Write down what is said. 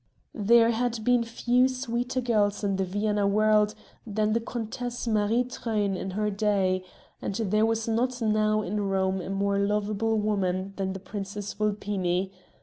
There had been few sweeter girls in the Vienna world than the Countess Marie Truyn in her day, and there was not now in all Rome a more lovable woman than the Princess Vulpini.